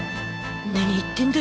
何言ってんだ？